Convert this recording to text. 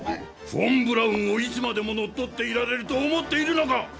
フォン・ブラウンをいつまでも乗っ取っていられると思っているのか！